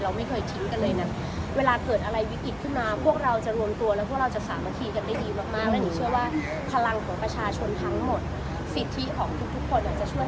ตอนนี้มันก็เลยกลายเป็นว่าไปเป็นส่วนของกล้ามเนื้อที่มันอยู่ตรงเนี่ย